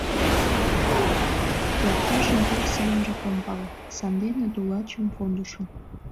Пӧртдажым пеш сайынжак ом пале, сандене тулачым кондышым.